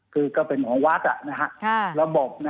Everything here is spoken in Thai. คือก็เป็นของวัดระบบ